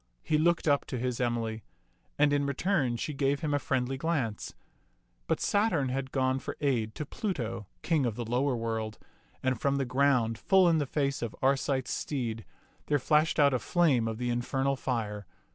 He looked up to his Emily, and in return she gave him a friendly glance ; but Saturn had gone for aid to Pluto, king of the lower world, and from the ground, full in the face of Arcite's steed, there flashed out a flame of the in fernal fire.